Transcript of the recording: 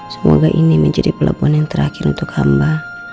semoga ini menjadi pelabuhan yang terakhir untuk hamba